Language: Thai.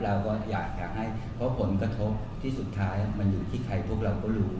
เราก็อยากจะให้เพราะผลกระทบที่สุดท้ายมันอยู่ที่ใครพวกเราก็รู้